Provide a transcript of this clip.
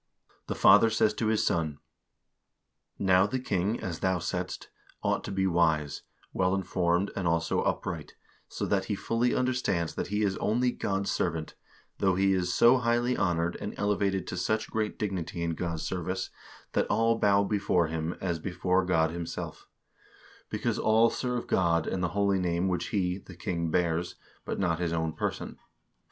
The father says to his son: "Now the king, as thou saidst, ought to be wise, well informed, and also upright, so that he fully understands that he is only God's servant, though, he is so highly honored, and elevated to such great dignity in God's service that all bow before him as before 1 Norges gamle Love, vol. II., p. 23. 464 HISTORY OF THE NORWEGIAN PEOPLE God himself; because all serve God and the holy name which he (the king) bears, but not his own person.